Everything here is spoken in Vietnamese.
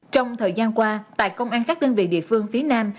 trong thời gian qua tại công an các đơn vị địa phương phía nam